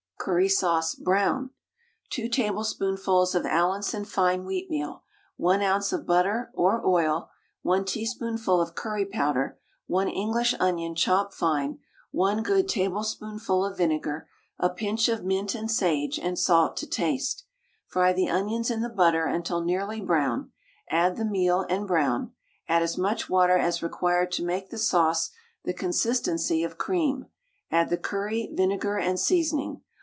CURRY SAUCE (BROWN). 2 tablespoonfuls of Allinson fine wheatmeal, 1 oz. of butter (or oil), 1 teaspoonful of curry powder, 1 English onion chopped fine, 1 good tablespoonful of vinegar, a pinch of mint and sage, and salt to taste. Fry the onions in the butter until nearly brown, add the meal, and brown; add as much water as required to make the sauce the consistency of cream; add the curry, vinegar, and seasoning.